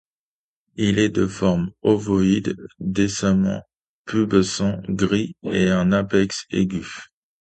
Il est de forme ovoïde, densément pubescent, gris, avec un apex aigu.